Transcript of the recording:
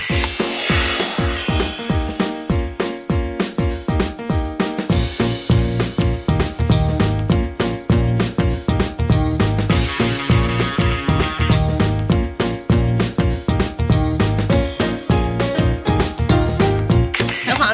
เป็นสไตล์เอเมนู